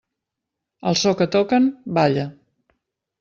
Al so que toquen, balla.